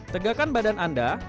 tegakkan badan anda